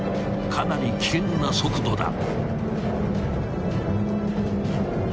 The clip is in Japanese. ［かなり危険な速度だ］